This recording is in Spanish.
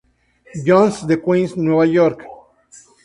John's de Queens, Nueva York.